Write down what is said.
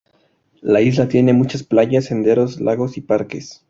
La isla tiene muchas playas, senderos, lagos y parques.